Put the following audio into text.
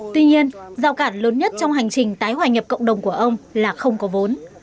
tuy nhiên rào cản lớn nhất trong hành trình tái hòa nhập cộng đồng của ông là không có vốn